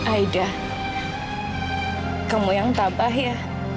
aida kamu yang tabah ya